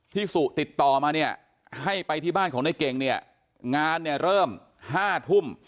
สุติดต่อมาเนี่ยให้ไปที่บ้านของในเก่งเนี่ยงานเนี่ยเริ่ม๕ทุ่ม